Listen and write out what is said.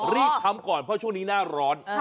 รีบทำก่อนเพราะช่วงนี้หน้าร้อน